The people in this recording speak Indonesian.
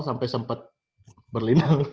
sampai sempet berlindung